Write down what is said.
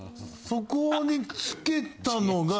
そこにつけたのが。